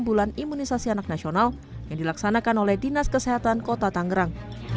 bulan imunisasi anak nasional yang dilaksanakan oleh dinas kesehatan kota tangerang